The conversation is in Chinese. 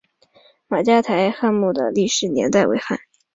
马家台汉墓的历史年代为汉。